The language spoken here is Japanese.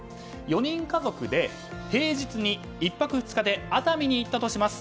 ４人家族で平日に１泊２日で熱海に行ったとします。